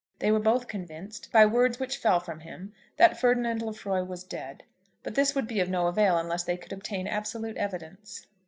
They were both convinced, by words which fell from him, that Ferdinand Lefroy was dead; but this would be of no avail unless they could obtain absolute evidence.